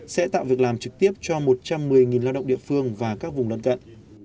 sẽ tạo việc làm trực tiếp cho một trăm một mươi lao động địa phương và các vùng lân cận